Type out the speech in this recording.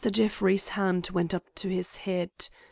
Jeffrey's hand went up to his head.